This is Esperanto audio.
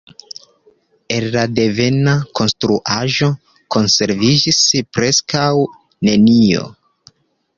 El la devena konstruaĵo konserviĝis preskaŭ nenio.